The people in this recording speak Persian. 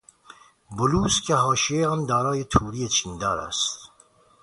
بلوز که حاشیهی آن دارای توری چیندار است